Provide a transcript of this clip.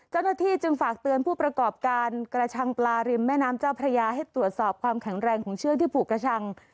เจ้าหน้าที่จึงฝากเตือนผู้ประกอบการกระชังปลาริมแม่น้ำเจ้าพระยาให้ตรวจสอบความแข็งแรงของเชือกที่ผูกกระชัง